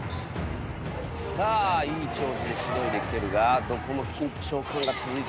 さあいい調子でしのいできてるがどこも緊張感が続いてるな。